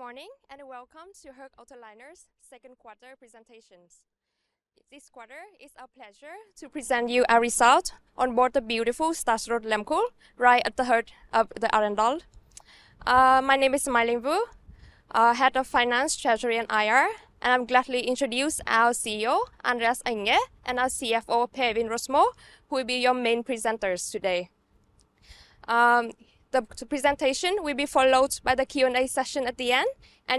Good morning, welcome to Höegh Autoliners second quarter presentations. This quarter, it's our pleasure to present you our result on board the beautiful Statsraad Lehmkuhl, right at the heart of the Arendal. My name is My Linh Vu, Head of Finance, Treasury and IR, I'm gladly introduce our CEO, Andreas Enger, and our CFO, Per Øivind Rosmo, who will be your main presenters today. The presentation will be followed by the Q&A session at the end,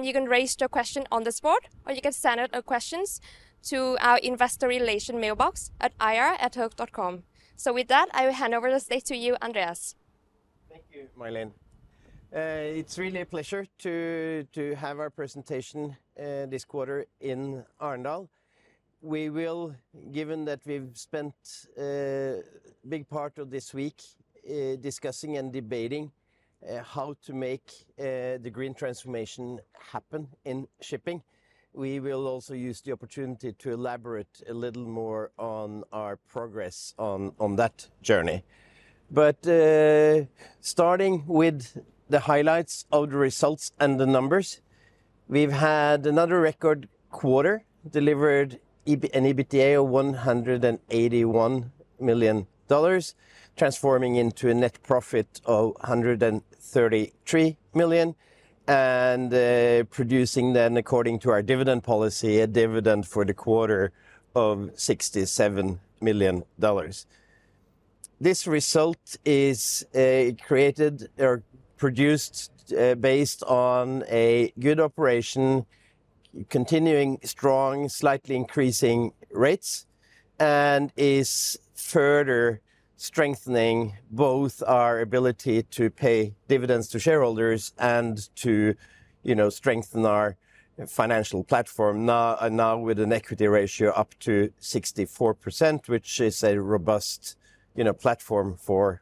you can raise your question on the spot, or you can send out your questions to our investor relation mailbox at ir@hoegh.com. With that, I will hand over the stage to you, Andreas. Thank you, My Linh. It's really a pleasure to have our presentation, this quarter in Arendal. We will, given that we've spent, big part of this week, discussing and debating, how to make, the green transformation happen in shipping, we will also use the opportunity to elaborate a little more on our progress on that journey. Starting with the highlights of the results and the numbers, we've had another record quarter, delivered an EBITDA of $181 million, transforming into a net profit of $133 million, and producing then, according to our dividend policy, a dividend for the quarter of $67 million. This result is, created or produced, based on a good operation, continuing strong, slightly increasing rates, and is further strengthening both our ability to pay dividends to shareholders and to, you know, strengthen our financial platform, now, now with an equity ratio up to 64%, which is a robust, you know, platform for,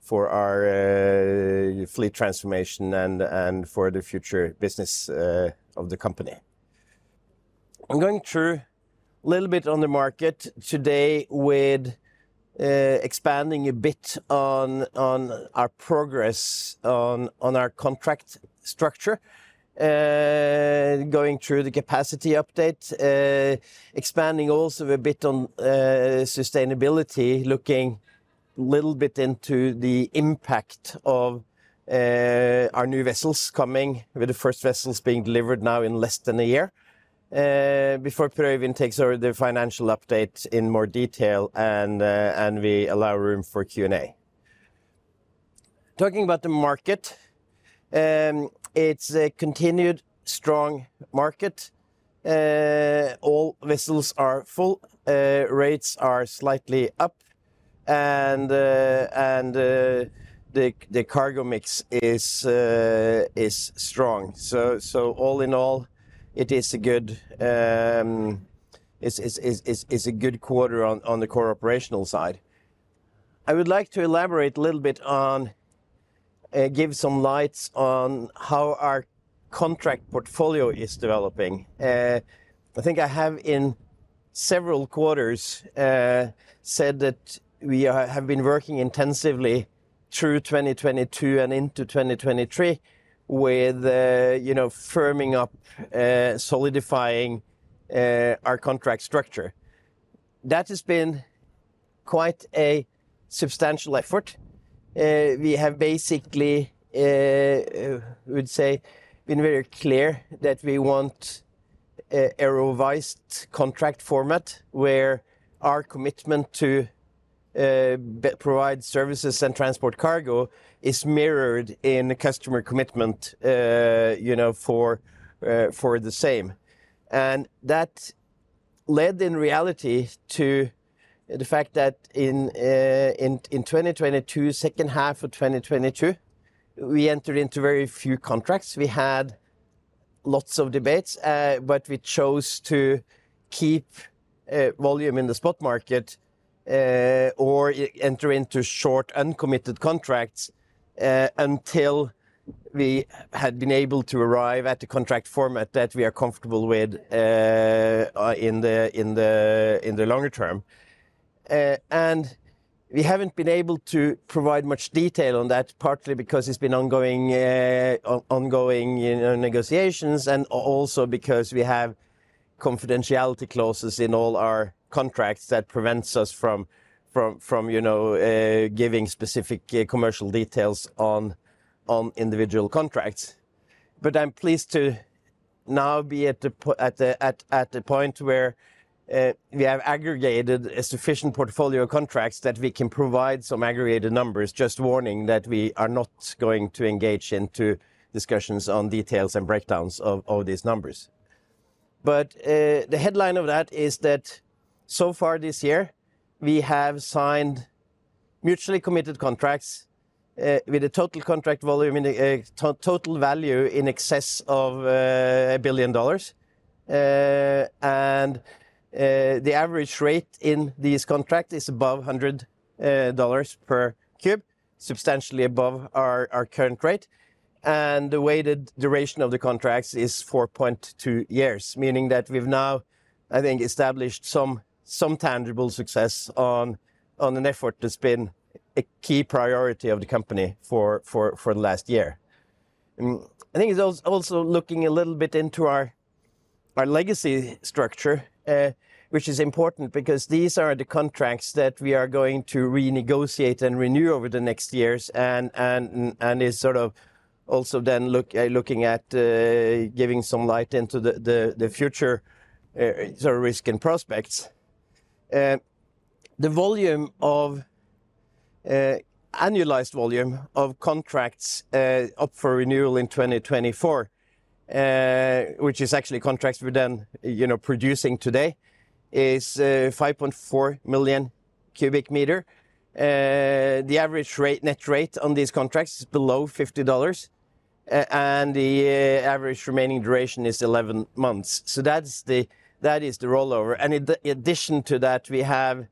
for our, fleet transformation and, and for the future business, of the company. I'm going through a little bit on the market today with expanding a bit on, on our progress on, on our contract structure, going through the capacity update, expanding also a bit on sustainability, looking a little bit into the impact of our new vessels coming, with the first vessels being delivered now in less than a year, before Per Øyvind takes over the financial update in more detail and we allow room for Q&A. Talking about the market, it's a continued strong market. All vessels are full, rates are slightly up, and the cargo mix is strong. All in all, it's a good quarter on, on the core operational side. I would like to elaborate a little bit on, give some lights on how our contract portfolio is developing. I think I have, in several quarters, said that we are, have been working intensively through 2022 and into 2023 with, you know, firming up, solidifying, our contract structure. That has been quite a substantial effort. We have basically, I would say, been very clear that we want a, a revised contract format, where our commitment to provide services and transport cargo is mirrored in the customer commitment, you know, for, for the same. That led, in reality, to the fact that in, in 2022, second half of 2022, we entered into very few contracts. We had lots of debates, but we chose to keep volume in the spot market, or enter into short, uncommitted contracts, until we had been able to arrive at the contract format that we are comfortable with, in the, in the, in the longer term. And we haven't been able to provide much detail on that, partly because it's been ongoing, ongoing, you know, negotiations, and also because we have confidentiality clauses in all our contracts that prevents us from, from, from, you know, giving specific, commercial details on, on individual contracts. I'm pleased to now be at the point where we have aggregated a sufficient portfolio of contracts that we can provide some aggregated numbers, just warning that we are not going to engage into discussions on details and breakdowns of these numbers. The headline of that is that so far this year, we have signed mutually committed contracts with a total contract volume and a total value in excess of $1 billion. And the average rate in this contract is above $100 per cube, substantially above our current rate, and the weighted duration of the contracts is 4.2 years, meaning that we've now, I think, established some tangible success on. on an effort that's been a key priority of the company for the last year. I think it's also looking a little bit into our legacy structure, which is important because these are the contracts that we are going to renegotiate and renew over the next years and is sort of also then looking at, giving some light into the future, sort of risk and prospects. The volume of annualized volume of contracts up for renewal in 2024, which is actually contracts we're then, you know, producing today, is 5.4 million cubic meter. The average rate, net rate on these contracts is below $50, and the average remaining duration is 11 months. So that is the rollover. In the addition to that, we have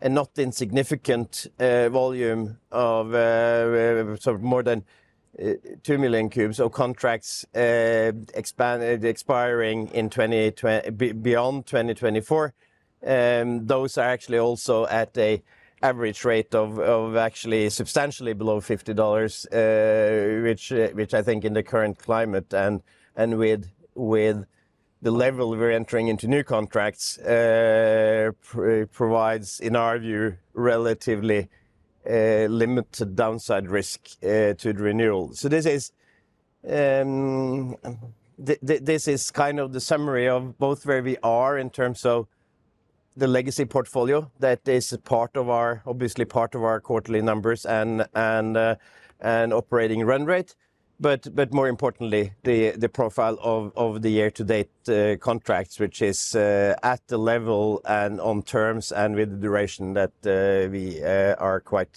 a not insignificant volume of sort of more than 2 million cubes of contracts expiring beyond 2024. Those are actually also at a average rate of, of actually substantially below $50, which which I think in the current climate and, and with, with the level we're entering into new contracts provides, in our view, relatively limited downside risk to the renewal. This is kind of the summary of both where we are in terms of the legacy portfolio that is a part of our, obviously part of our quarterly numbers and operating run rate. More importantly, the profile of the year to date contracts, which is at the level and on terms and with the duration that we are quite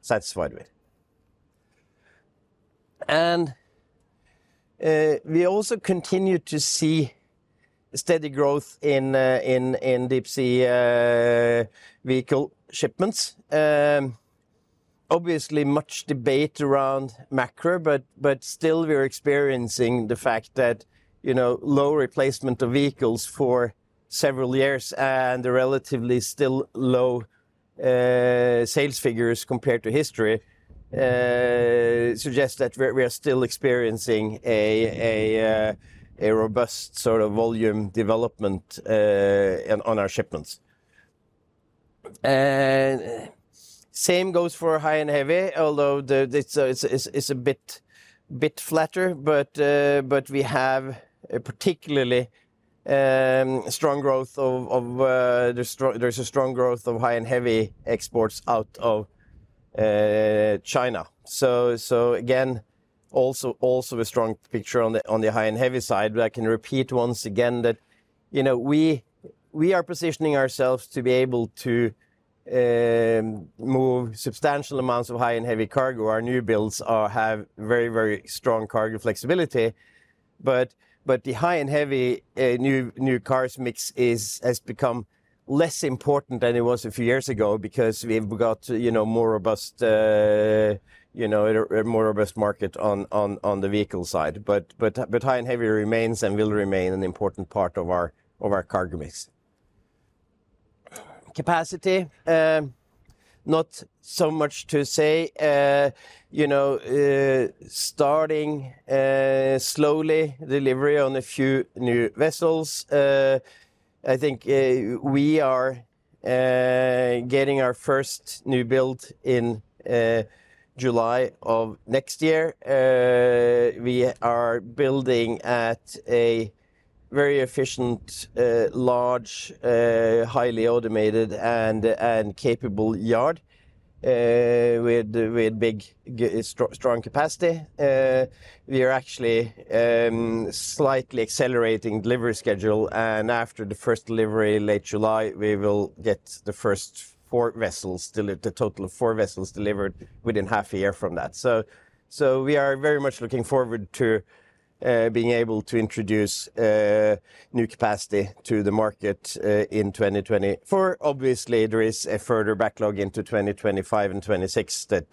satisfied with. We also continue to see steady growth in deep sea vehicle shipments. Obviously, much debate around macro, but still, we are experiencing the fact that, you know, low replacement of vehicles for several years and the relatively still low sales figures compared to history, suggests that we are still experiencing a robust sort of volume development on our shipments. Same goes for high and heavy, although it's a bit flatter. We have a particularly strong growth of There's strong, there's a strong growth of high and heavy exports out of China. Again, a strong picture on the high and heavy side. I can repeat once again that, you know, we are positioning ourselves to be able to move substantial amounts of high and heavy cargo. Our new builds have very, very strong cargo flexibility. The high and heavy new cars mix has become less important than it was a few years ago because we've got, you know, more robust, you know, a more robust market on the vehicle side. High and heavy remains and will remain an important part of our cargo mix. Capacity, not so much to say. You know, starting slowly delivery on a few new vessels. I think, we are getting our first new build in July of next year. We are building at a very efficient, large, highly automated and, and capable yard, with, with big, strong capacity. We are actually, slightly accelerating delivery schedule, and after the first delivery, late July, we will get the first four vessels, a total of four vessels delivered within half a year from that. We are very much looking forward to being able to introduce new capacity to the market in 2024. Obviously, there is a further backlog into 2025 and 2026 that,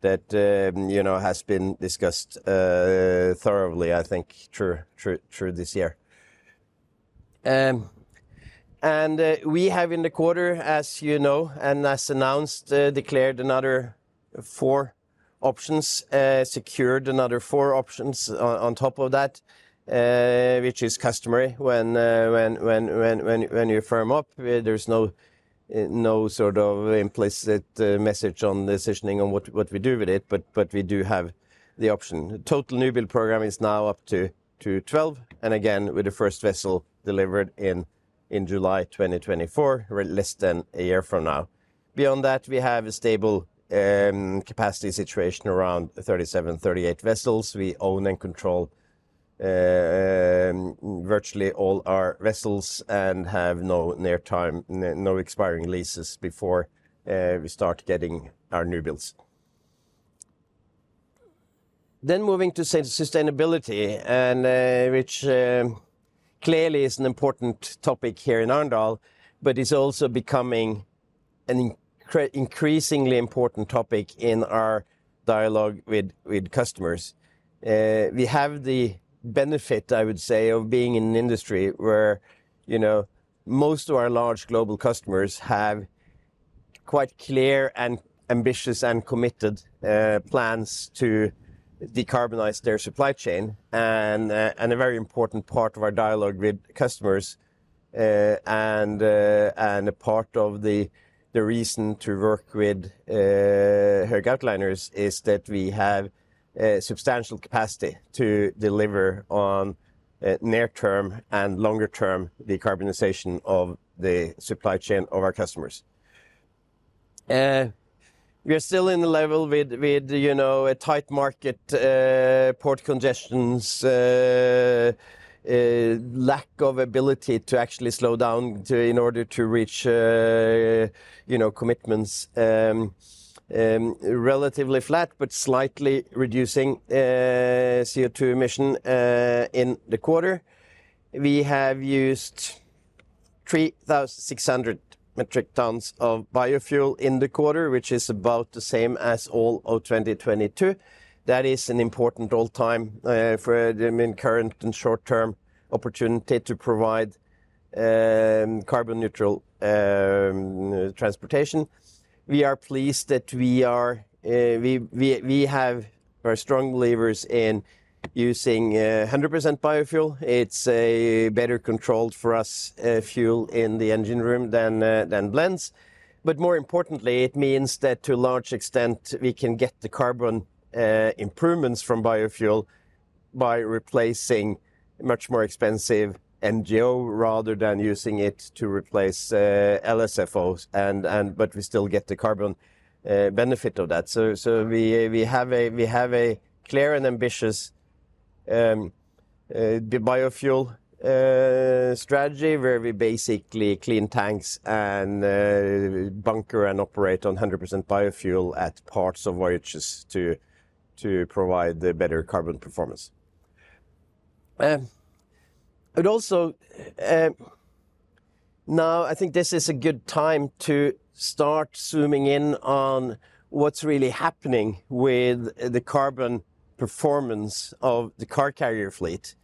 that, you know, has been discussed, thoroughly, I think, through, through, through this year. We have in the quarter, as you know, and as announced, declared another four options, secured another four options on, on top of that, which is customary when you firm up, there's no, no sort of implicit message on decisioning on what, what we do with it, but, but we do have the option. Total new build program is now up to, to 12, and again, with the first vessel delivered in, in July 2024, less than a year from now. Beyond that, we have a stable capacity situation around 37, 38 vessels. We own and control virtually all our vessels and have no near time, no expiring leases before we start getting our new builds. Moving to sustainability and, which, clearly is an important topic here in Arendal, but is also becoming an increasingly important topic in our dialogue with customers. We have the benefit, I would say, of being in an industry where, you know, most of our large global customers have quite clear and ambitious and committed plans to decarbonize their supply chain. A very important part of our dialogue with customers, and a part of the reason to work with Höegh Autoliners is that we have a substantial capacity to deliver on near term and longer term decarbonization of the supply chain of our customers. We are still in the level with, with, you know, a tight market, port congestions, lack of ability to actually slow down to, in order to reach, you know, commitments. Relatively flat, but slightly reducing, CO2 emission in the quarter. We have used 3,600 metric tons of biofuel in the quarter, which is about the same as all of 2022. That is an important all-time for the main current and short-term opportunity to provide carbon neutral transportation. We are pleased that we are, we, we, we have very strong believers in using 100% biofuel. It's a better controlled for us, fuel in the engine room than than blends. More importantly, it means that to a large extent, we can get the carbon improvements from biofuel by replacing much more expensive MGO rather than using it to replace LSFOs. We still get the carbon benefit of that. We have a clear and ambitious biofuel strategy, where we basically clean tanks and bunker and operate on 100% biofuel at parts of voyages to provide the better carbon performance. Now I think this is a good time to start zooming in on what's really happening with the carbon performance of the car carrier fleet.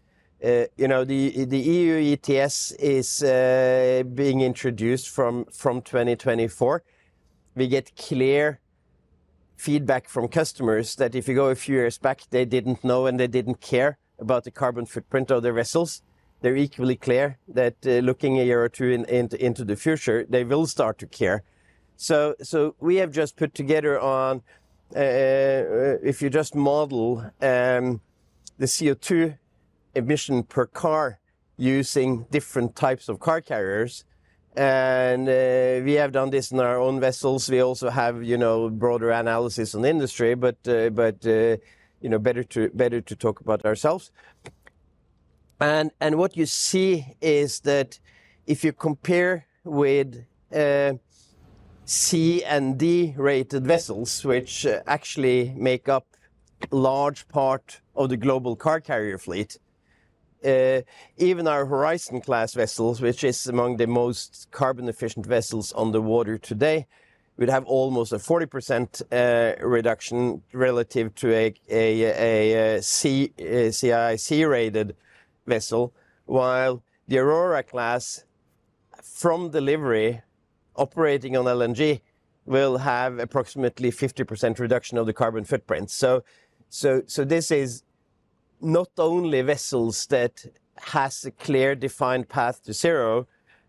You know, the EU ETS is being introduced from 2024. We get clear feedback from customers that if you go a few years back, they didn't know, and they didn't care about the carbon footprint of the vessels. They're equally clear that, looking a year or two into the future, they will start to care. So we have just put together on, if you just model the CO2 emission per car using different types of car carriers, we have done this in our own vessels. We also have, you know, broader analysis on the industry. But, you know, better to, better to talk about ourselves. What you see is that if you compare with C- and D-rated vessels, which actually make up large part of the global car carrier fleet, even our Horizon-class vessels, which is among the most carbon efficient vessels on the water today, would have almost a 40% reduction relative to a C CII-rated vessel, while the Aurora-class, from delivery, operating on LNG, will have approximately 50% reduction of the carbon footprint. This is not only vessels that has a clear, defined path to zero,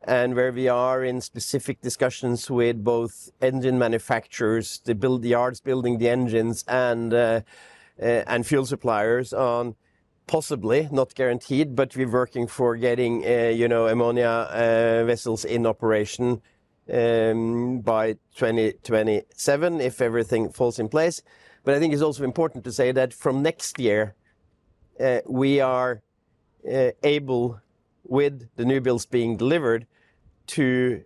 and where we are in specific discussions with both engine manufacturers, the yards building the engines, and fuel suppliers on possibly, not guaranteed, but we're working for getting, you know, ammonia vessels in operation by 2027, if everything falls in place. I think it's also important to say that from next year, we are able, with the new builds being delivered, to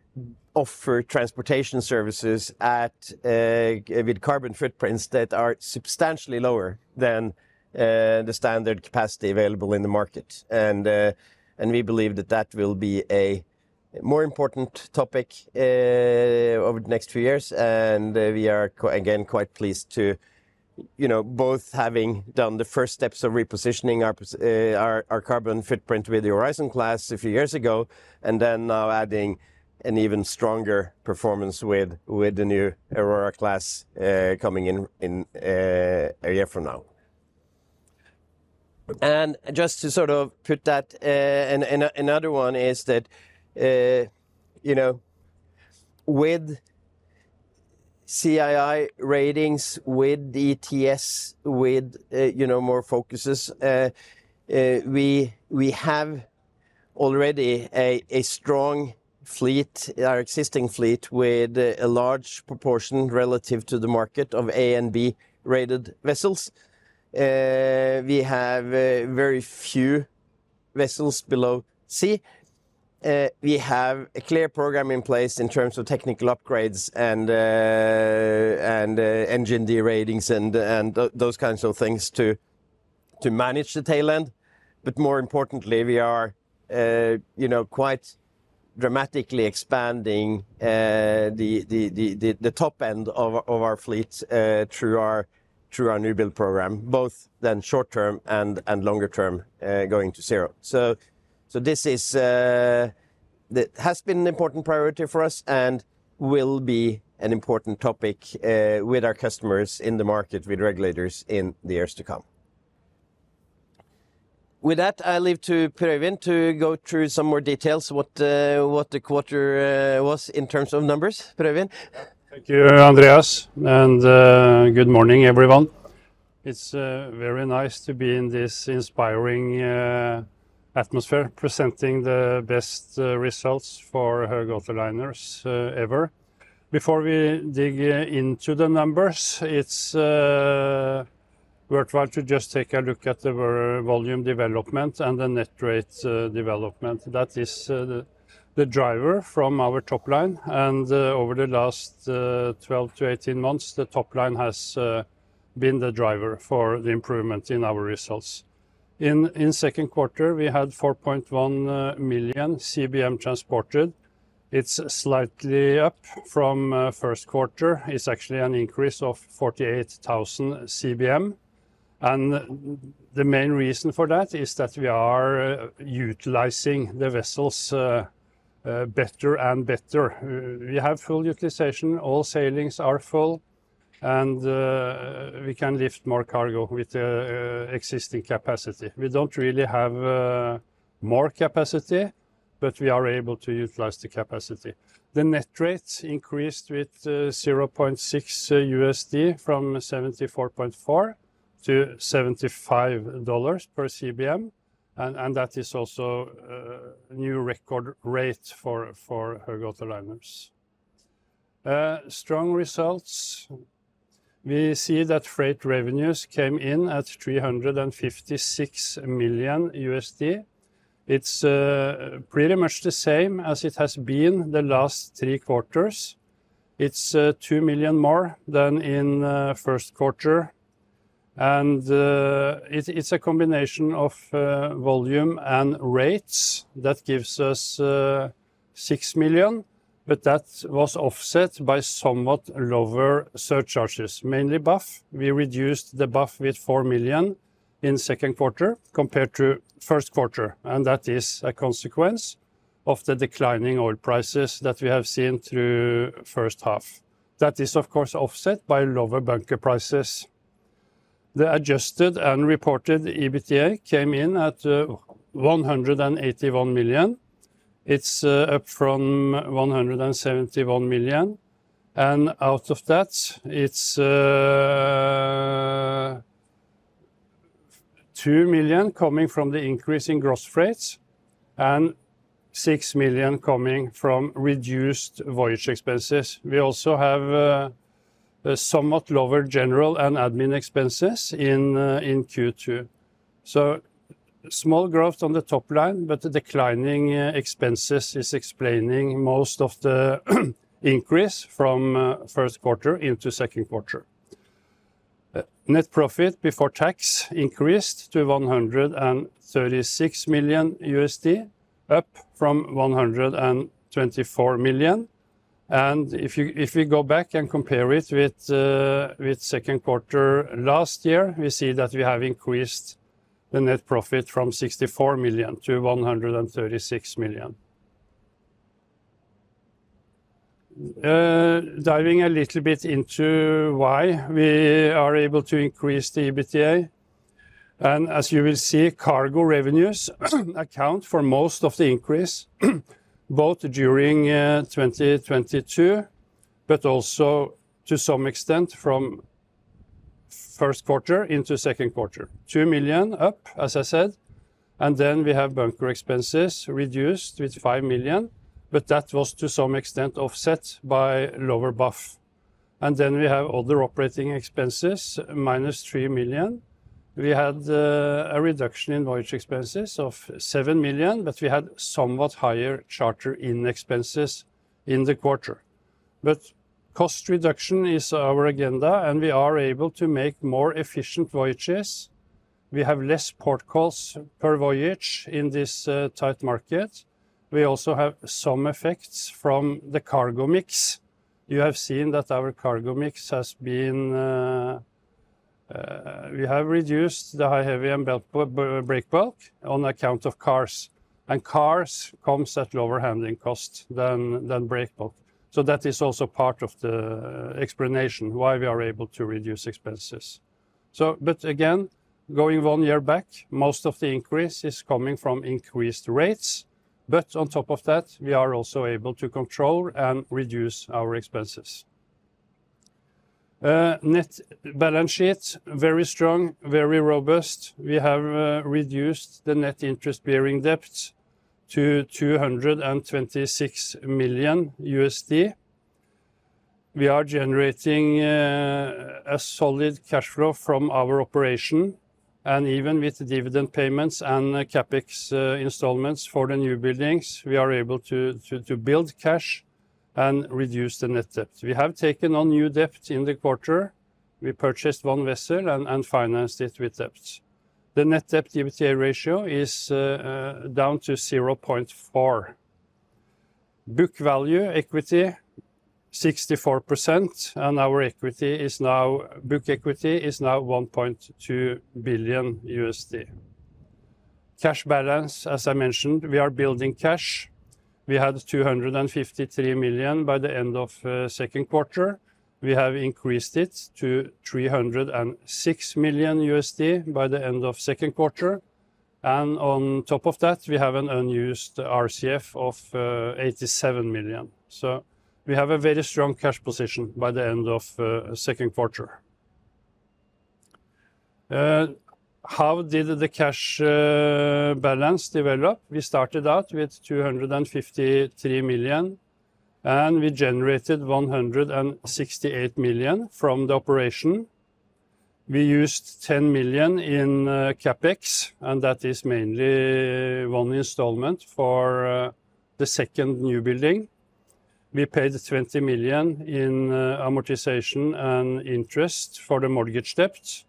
offer transportation services at, with carbon footprints that are substantially lower than the standard capacity available in the market. We believe that that will be a more important topic over the next few years. We are quite, again, quite pleased to, you know, both having done the first steps of repositioning our, our carbon footprint with the Horizon-class a few years ago, and then now adding an even stronger performance with, with the new Aurora-class coming in, in a year from now. Just to sort of put that, and, and another one is that, you know, with CII ratings, with the ETS, with, you know, more focuses, we, we have already a, a strong fleet, our existing fleet, with a large proportion relative to the market of A and B-rated vessels. We have very few vessels below C. We have a clear program in place in terms of technical upgrades and, and engine de-ratings and those kinds of things to manage the tail end. More importantly, we are, you know, quite dramatically expanding the, the, the, the, the top end of our, of our fleet, through our, through our new build program, both then short term and longer term, going to zero. This has been an important priority for us and will be an important topic with our customers in the market, with regulators in the years to come. With that, I leave to Per Øivind to go through some more details what, what the quarter was in terms of numbers. Per Øivind? Thank you, Andreas. Good morning, everyone. It's very nice to be in this inspiring atmosphere, presenting the best results for Höegh Autoliners ever. Before we dig into the numbers, it's we're trying to just take a look at the volume development and the net rates development. That is the, the driver from our top line, over the last 12-18 months, the top line has been the driver for the improvement in our results. In second quarter, we had 4.1 million CBM transported. It's slightly up from first quarter. It's actually an increase of 48,000 CBM, the main reason for that is that we are utilizing the vessels better and better. We have full utilization. All sailings are full, and we can lift more cargo with the existing capacity. We don't really have more capacity, but we are able to utilize the capacity. The net rates increased with $0.6 from $74.4-$75 per CBM, and that is also a new record rate for Höegh Autoliners. Strong results. We see that freight revenues came in at $356 million. It's pretty much the same as it has been the last three quarters. It's $2 million more than in first quarter, and it's a combination of volume and rates that gives us $6 million, but that was offset by somewhat lower surcharges, mainly BAF. We reduced the BAF with $4 million in second quarter compared to first quarter, that is a consequence of the declining oil prices that we have seen through first half. That is, of course, offset by lower bunker prices. The adjusted and reported EBITDA came in at $181 million. It's up from $171 million, and out of that, it's $2 million coming from the increase in gross rates and $6 million coming from reduced voyage expenses. We also have a somewhat lower general and admin expenses in Q2. Small growth on the top line, but the declining expenses is explaining most of the, increase from first quarter into second quarter. Net profit before tax increased to $136 million, up from $124 million, and if you, if we go back and compare it with second quarter last year, we see that we have increased the net profit from $64 million to $136 million. Diving a little bit into why we are able to increase the EBITDA, and as you will see, cargo revenues, account for most of the increase, both during 2022, but also to some extent from first quarter into second quarter. $2 million up, as I said, and then we have bunker expenses reduced with $5 million, but that was to some extent offset by lower BAF. Then we have other operating expenses, minus $3 million. We had a reduction in voyage expenses of $7 million, but we had somewhat higher charter in expenses in the quarter. Cost reduction is our agenda, and we are able to make more efficient voyages. We have less port calls per voyage in this tight market. We also have some effects from the cargo mix. You have seen that our cargo mix has been. We have reduced the high, heavy and bulk, break bulk on account of cars, and cars comes at lower handling cost than, than break bulk. That is also part of the explanation why we are able to reduce expenses. Again, going one year back, most of the increase is coming from increased rates, but on top of that, we are also able to control and reduce our expenses. Net balance sheet, very strong, very robust. We have reduced the net interest bearing debt to $226 million. We are generating a solid cash flow from our operation, and even with dividend payments and CapEx installments for the new buildings, we are able to, to, to build cash. Reduce the net debt. We have taken on new debt in the quarter. We purchased one vessel and, and financed it with debt. The net debt/EBITDA ratio is down to 0.4. Book value equity 64%, and our equity is now- book equity is now $1.2 billion. Cash balance, as I mentioned, we are building cash. We had $253 million by the end of second quarter. We have increased it to $306 million by the end of second quarter, and on top of that, we have an unused RCF of $87 million. We have a very strong cash position by the end of second quarter. How did the cash balance develop? We started out with $253 million, and we generated $168 million from the operation. We used $10 million in CapEx, and that is mainly one installment for the second new building. We paid $20 million in amortization and interest for the mortgage debt.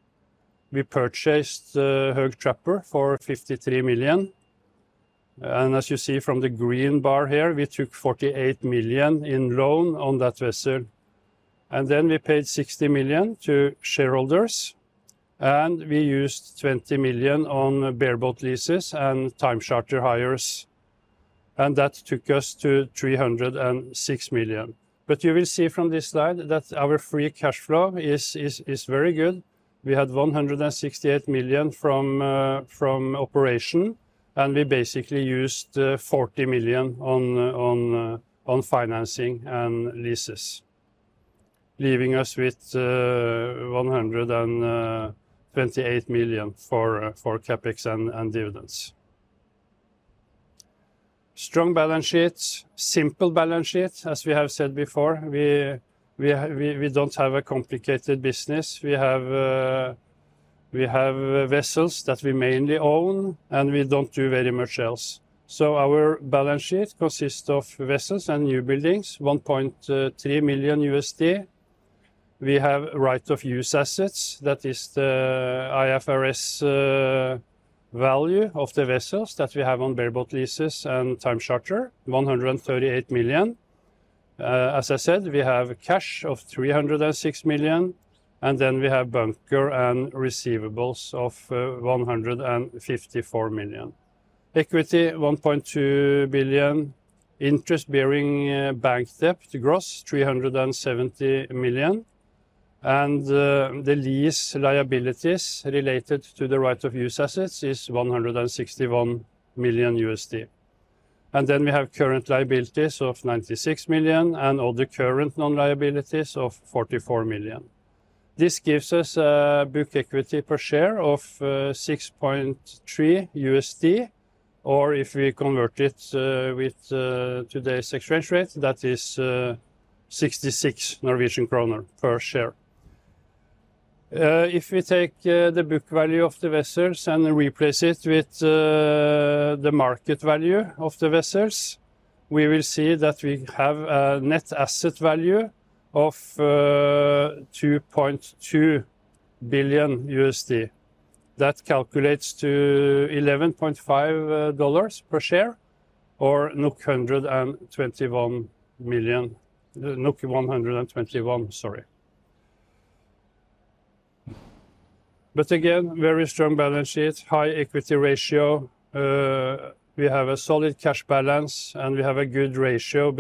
We purchased the Höegh Trapper for $53 million, and as you see from the green bar here, we took $48 million in loan on that vessel. Then we paid $60 million to shareholders, and we used $20 million on bareboat leases and time charter hires, and that took us to $306 million. You will see from this slide that our free cash flow is, is, is very good. We had $168 million from from operation, and we basically used $40 million on on on financing and leases, leaving us with $128 million for for CapEx and and dividends. Strong balance sheet, simple balance sheet, as we have said before. We, we, we, we don't have a complicated business. We have we have vessels that we mainly own, and we don't do very much else. Our balance sheet consists of vessels and new buildings, $1.3 million. We have right of use assets, that is the IFRS value of the vessels that we have on bareboat leases and time charter, $138 million. As I said, we have cash of $306 million, and then we have bunker and receivables of $154 million. Equity, $1.2 billion. Interest-bearing, bank debt gross, $370 million, and the lease liabilities related to the right of use assets is $161 million. We have current liabilities of $96 million, and all the current non-liabilities of $44 million. This gives us a book equity per share of $6.3, or if we convert it with today's exchange rate, that is 66 Norwegian kroner per share. If we take the book value of the vessels and replace it with the market value of the vessels, we will see that we have a net asset value of $2.2 billion. That calculates to $11.5 per share, or NOK 121, sorry. Again, very strong balance sheet, high equity ratio. We have a solid cash ba.ance, and we have a good ratio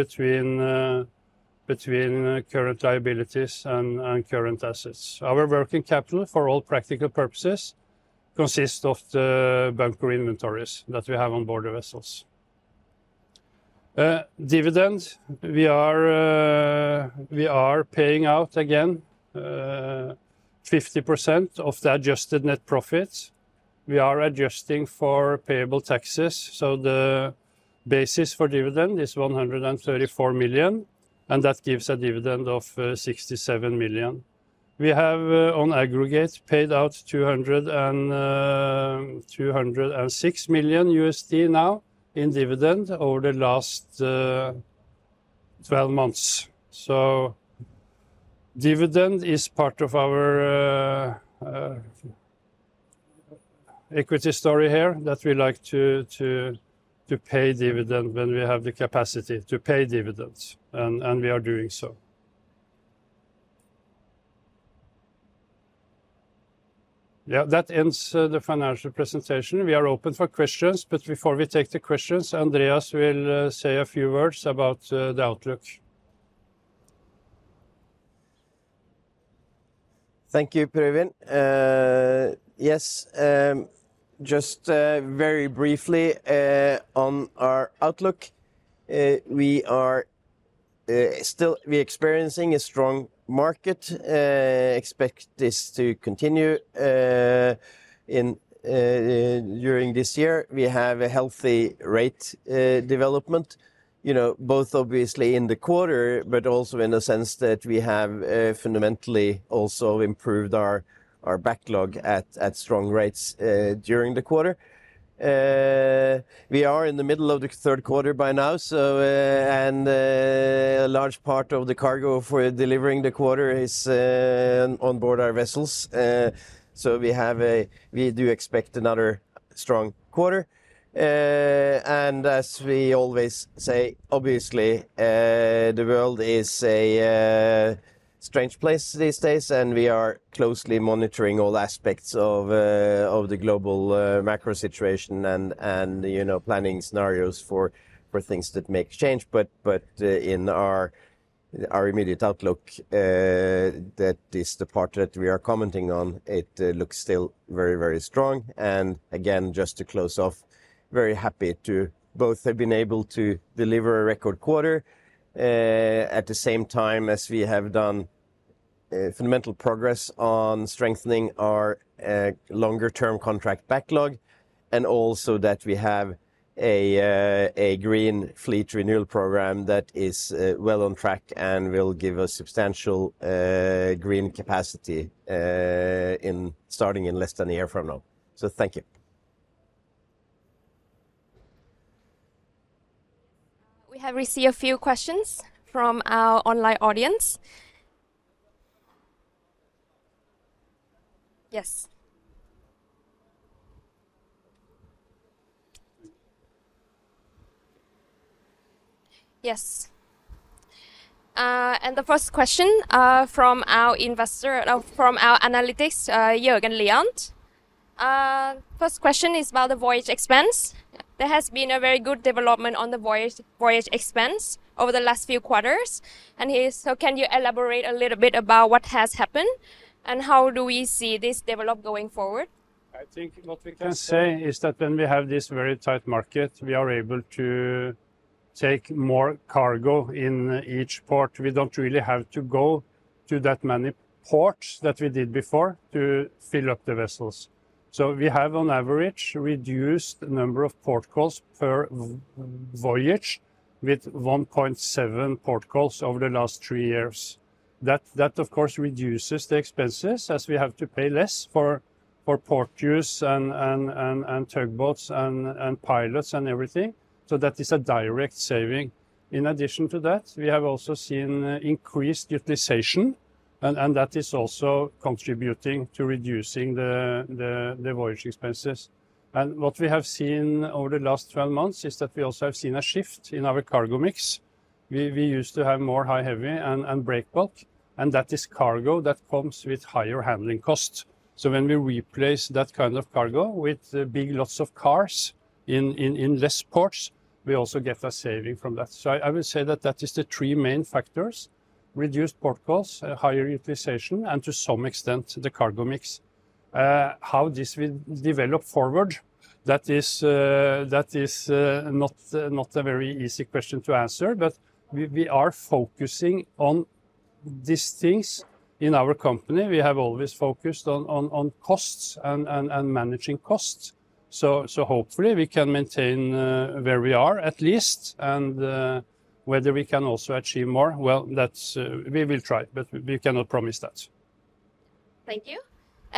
between current liabilities and current assets. Our working capital, for all practical purposes, consists of the bunker inventories that we have on board the vessels. Dividend, we are paying out again, 50% of the adjusted net profit. We are adjusting for payable taxes, so the basis for dividend is $134 million, and that gives a dividend of $67 million. We have on aggregate, paid out $206 million now in dividend over the last 12 months. Dividend is part of our equity story here, that we like to, to, to pay dividend when we have the capacity to pay dividends, and, and we are doing so. Yeah, that ends the financial presentation. We are open for questions. Before we take the questions, Andreas will say a few words about the outlook. Thank you, Per Øivind. Yes, just very briefly on our outlook, we are still we experiencing a strong market. Expect this to continue in during this year. We have a healthy rate development, you know, both obviously in the quarter, but also in the sense that we have fundamentally also improved our, our backlog at, at strong rates during the quarter. We are in the middle of the third quarter by now, so and a large part of the cargo for delivering the quarter is on board our vessels. We do expect another strong quarter. As we always say, obviously, the world is a strange place these days, and we are closely monitoring all aspects of the global macro situation, and, and, you know, planning scenarios for, for things that may change. But, in our, our immediate outlook, that is the part that we are commenting on, it looks still very, very strong. Again, just to close off, very happy to both have been able to deliver a record quarter, at the same time as we have done, fundamental progress on strengthening our longer-term contract backlog. Also that we have a green fleet renewal program that is well on track and will give us substantial green capacity in starting in less than a year from now. Thank you. We have received a few questions from our online audience. Yes. Yes. The first question, from our investor, from our analytics, Jørgen Lian. First question is about the voyage expense. There has been a very good development on the voyage, voyage expense over the last few quarters, and he can you elaborate a little bit about what has happened, and how do we see this develop going forward? I think what we can say is that when we have this very tight market, we are able to take more cargo in each port. We don't really have to go to that many ports that we did before to fill up the vessels. We have, on average, reduced the number of port calls per voyage, with 1.7 port calls over the last three years. That, of course, reduces the expenses, as we have to pay less for port use and tugboats and pilots and everything. That is a direct saving. In addition to that, we have also seen increased utilization, and that is also contributing to reducing the voyage expenses. What we have seen over the last 12 months is that we also have seen a shift in our cargo mix. We used to have more high heavy and break bulk, and that is cargo that comes with higher handling costs. When we replace that kind of cargo with big lots of cars in less ports, we also get a saving from that. I would say that that is the three main factors: reduced port calls, higher utilization, and to some extent, the cargo mix. How this will develop forward, that is, that is not a very easy question to answer, but we are focusing on these things in our company. We have always focused on costs and managing costs. Hopefully we can maintain where we are at least, and whether we can also achieve more, well, that's, we will try, but we cannot promise that. Thank you.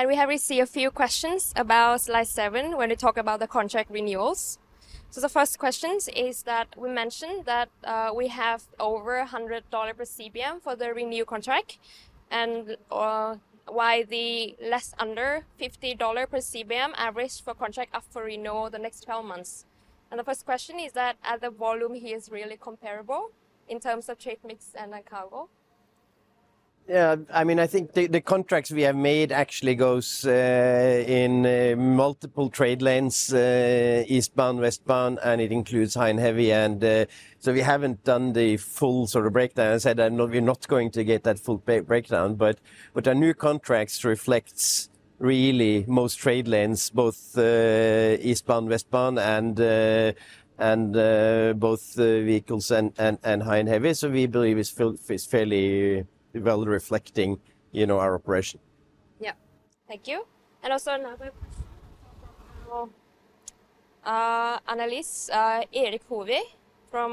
We have received a few questions about slide seven, where they talk about the contract renewals. The first question is that we mentioned that we have over $100 per CBM for the renew contract, and why the less under $50 per CBM average for contract up for renew the next 12 months? And the first question is that are the volume here is really comparable in terms of trade mix and the cargo? Yeah, I mean, I think the, the contracts we have made actually goes in multiple trade lanes, eastbound, westbound, and it includes high and heavy. So we haven't done the full sort of breakdown. I said that no, we're not going to get that full breakdown. Our new contracts reflects really most trade lanes, both eastbound, westbound, and both vehicles and high and heavy. We believe it's fairly well reflecting, you know, our operation. Yeah. Thank you. And also another question from analyst Eirik Haavaldsen from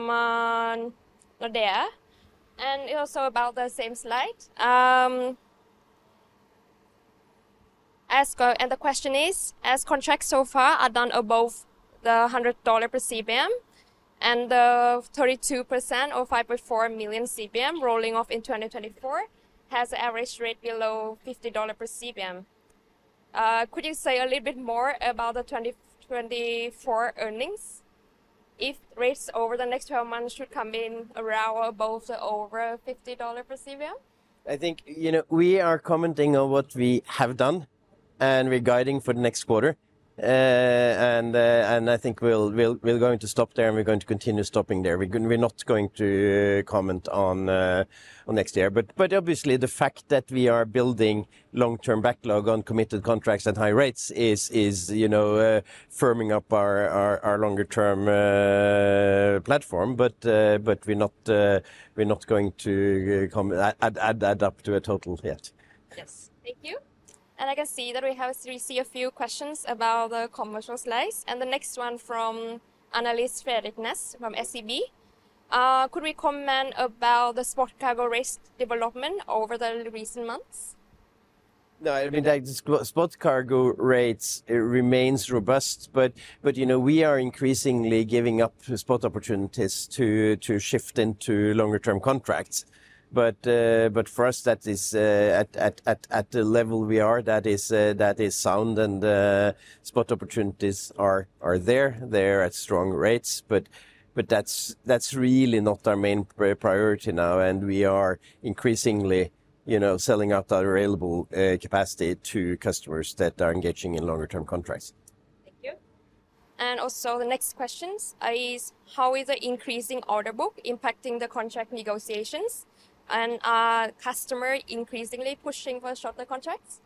Nordea, and it's also about the same slide. The question is, as contracts so far are done above the $100 per CBM, and the 32% or 5.4 million CBM rolling off in 2024 has an average rate below $50 per CBM, could you say a little bit more about the 2024 earnings if rates over the next 12 months should come in around or above or over $50 per CBM? I think, you know, we are commenting on what we have done, and we're guiding for the next quarter. I think we'll, we're going to stop there, and we're going to continue stopping there. We're not going to comment on next year. Obviously, the fact that we are building long-term backlog on committed contracts at high rates is, is, you know, firming up our, our, our longer term platform. We're not going to add that up to a total yet. Yes. Thank you. I can see that we have received a few questions about the commercial slides, and the next one from analyst Frederik Ness from SEB. Could we comment about the spot cargo rates development over the recent months? No, I mean, like, the spot, spot cargo rates, it remains robust, but, you know, we are increasingly giving up spot opportunities to, to shift into longer-term contracts. For us, that is at the level we are, that is sound, and spot opportunities are there. They're at strong rates, but that's really not our main priority now, and we are increasingly, you know, selling out our available capacity to customers that are engaging in longer-term contracts. Thank you. Also, the next question is, how is the increasing order book impacting the contract negotiations, and are customer increasingly pushing for shorter contracts?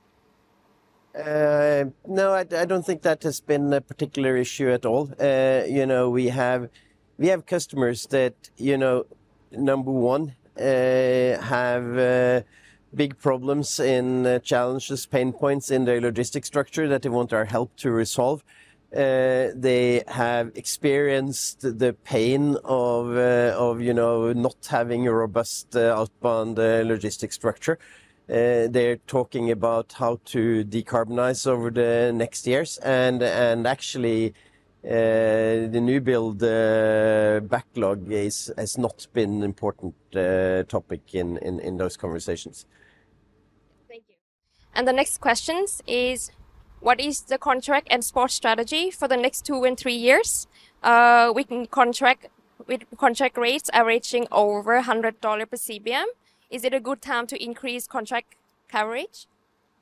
No, I, I don't think that has been a particular issue at all. You know, we have, we have customers that, you know, number one, have big problems and challenges, pain points in their logistic structure that they want our help to resolve. They have experienced the pain of, you know, not having a robust outbound logistic structure. They're talking about how to decarbonize over the next years, and, and actually, the new build backlog has not been important topic in those conversations. Thank you. The next questions is, what is the contract and spot strategy for the next two and three years? With contract rates averaging over $100 per CBM, is it a good time to increase contract coverage?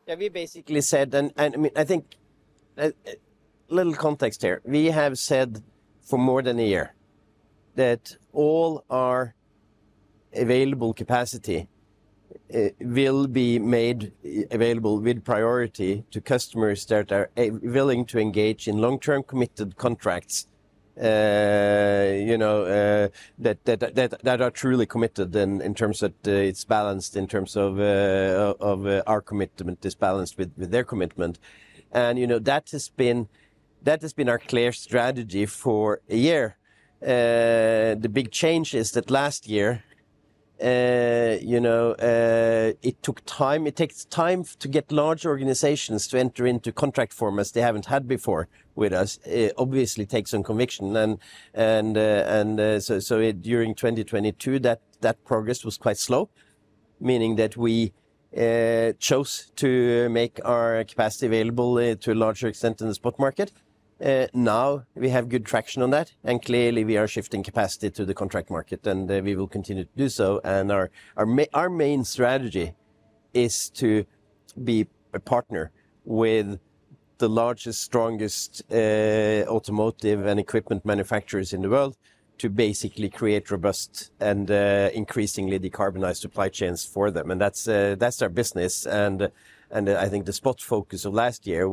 Yeah, we basically said, and, and I mean, I think, little context here. We have said for more than a year that all our available capacity, it will be made available with priority to customers that are willing to engage in long-term, committed contracts, you know, that, that, that, that are truly committed. In terms of, it's balanced in terms of, of, our commitment is balanced with, with their commitment, and, you know, that has been, that has been our clear strategy for a year. The big change is that last year, you know, it took time. It takes time to get large organizations to enter into contract formats they haven't had before with us. It obviously takes some conviction, and during 2022, that, that progress was quite slow, meaning that we chose to make our capacity available to a larger extent in the spot market. Now we have good traction on that, and clearly we are shifting capacity to the contract market, and we will continue to do so. Our main strategy is to be a partner with the largest, strongest automotive and equipment manufacturers in the world to basically create robust and increasingly decarbonized supply chains for them, and that's that's our business. I think the spot focus of last year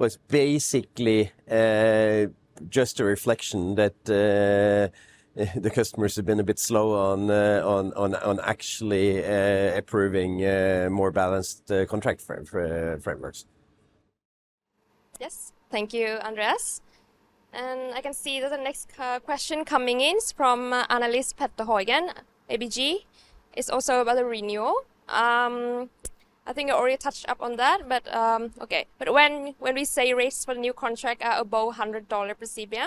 was basically just a reflection that the customers have been a bit slow on, on, on, on actually approving more balanced contract frame- fra- frameworks. Yes. Thank you, Andreas. I can see that the next question coming in from analyst Petter Haugen, ABG. It's also about the renewal. I think you already touched up on that, but, okay. When we say rates for the new contract are above $100 per CBM,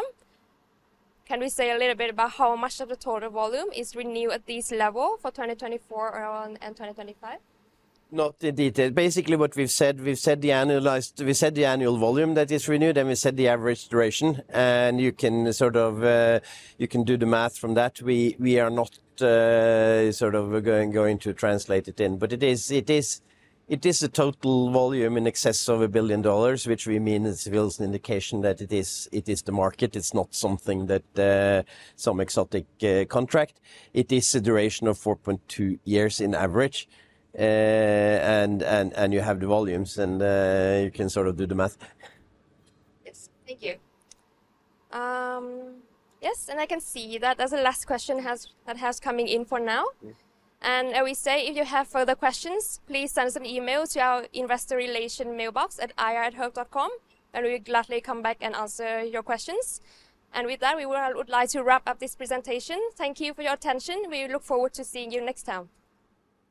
can we say a little bit about how much of the total volume is renewed at this level for 2024 and 2025? Not in detail. Basically, what we've said, we've said the annualized- we've said the annual volume that is renewed, and we said the average duration. You can sort of, you can do the math from that. We, we are not, sort of, going, going to translate it in, but it is, it is, it is a total volume in excess of $1 billion, which we mean, it reveals an indication that it is, it is the market. It's not something that, some exotic, contract. It is a duration of 4.2 years in average. And, and you have the volumes, and, you can sort of do the math. Yes. Thank you. Yes, I can see that that's the last question has, that has coming in for now. Yes. I will say, if you have further questions, please send us an email to our investor relations mailbox at ir@hoegh.com. We'll gladly come back and answer your questions. With that, we would like to wrap up this presentation. Thank you for your attention. We look forward to seeing you next time.